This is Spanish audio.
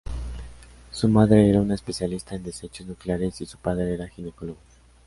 Su madre era una especialista en desechos nucleares y su padre era ginecólogo.